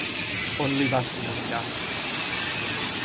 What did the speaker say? On l'hi vas comunicar?